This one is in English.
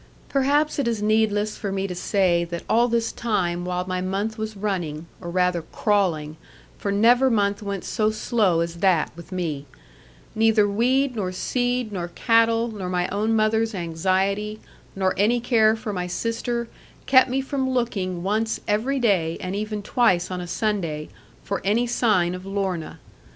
Perhaps it is needless for me to say that all this time while my month was running or rather crawling, for never month went so slow as that with me neither weed, nor seed, nor cattle, nor my own mother's anxiety, nor any care for my sister, kept me from looking once every day, and even twice on a Sunday, for any sign of Lorna.